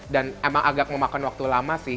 dan memang agak memakan waktu lama sih